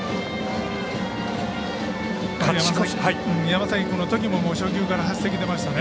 山崎君のときも初球から走ってきてましたね。